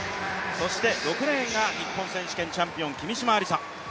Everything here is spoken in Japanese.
そして６レーンが日本選手権チャンピオン君嶋愛梨沙。